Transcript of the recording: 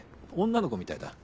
女の子みたいだ。